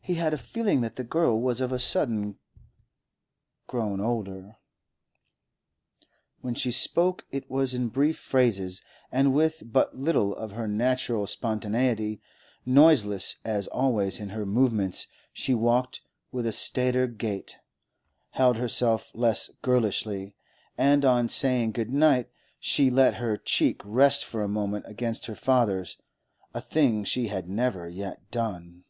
He had a feeling that the girl was of a sudden grown older; when she spoke it was in brief phrases, and with but little of her natural spontaneity; noiseless as always in her movements, she walked with a staider gait, held herself less girlishly, and on saying good night she let her cheek rest for a moment against her father's, a thing she had never yet done.